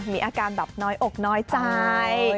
มีอาการแบบน้อยอกน้อยใจ